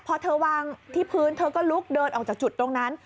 พอเธอวางที่พื้นเธอก็ลุกเดินออกจากจุดตรงนั้น